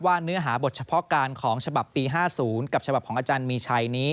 เนื้อหาบทเฉพาะการของฉบับปี๕๐กับฉบับของอาจารย์มีชัยนี้